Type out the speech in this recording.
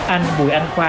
anh bùi anh khoa